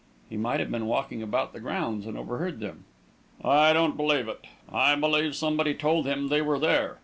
"He might have been walking about the grounds and overheard them." "I don't believe it. I believe somebody told him they were there.